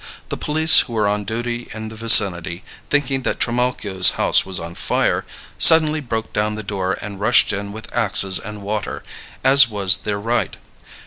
The police who were on duty in the vicinity, thinking that Trimalchio's house was on fire, suddenly broke down the door and rushed in with axes and water, as was their right.